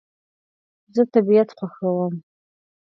زه طبیعت خوښوم